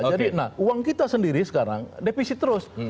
jadi uang kita sendiri sekarang depisi terus